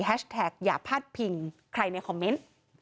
แฮชแท็กอย่าพลาดผิงใครในคอมเม้นต์